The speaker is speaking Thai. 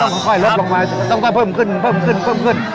อ่าต้องค่อยลดลงมาต้องก็เพิ่มขึ้นเพิ่มขึ้นเพิ่มขึ้น